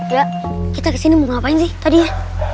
ya kita kesini mau ngapain sih tadinya